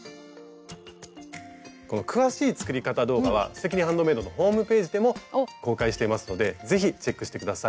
詳しい作り方動画は「すてきにハンドメイド」のホームページでも公開していますので是非チェックして下さい。